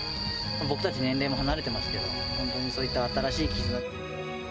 僕たち、年齢も離れてますけど、本当にそういった新しい絆を。